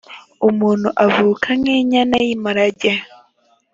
umuntu avuka nk inyana y imparage